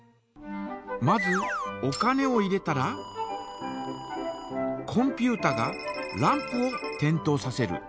まずお金を入れたらコンピュータがランプを点灯させる。